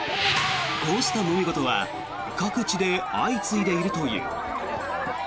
こうしたもめ事は各地で相次いでいるという。